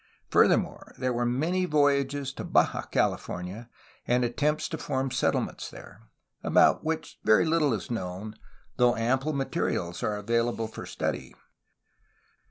Furthermore, there were many voyages to Baja California and attempts to form settlements there, about which very little is known, though ample materials are available for study.